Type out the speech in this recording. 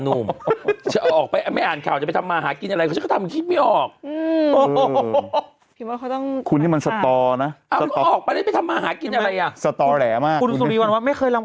ก็ให้นักข่าวใหม่กลับมาทำกันกันไหมล่ะ